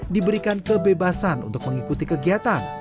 diberikan kebebasan untuk mengikuti kegiatan